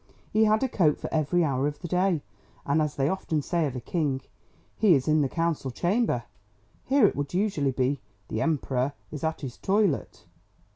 He had a coat for every hour of the day; and as they often say of a king, "He is in the council chamber," here it would usually be, "The Emperor is at his toilet."